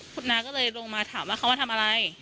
คุณน้าก็เลยลงมาถามว่าเขามาทำอะไร